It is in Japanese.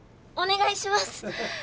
お願いします！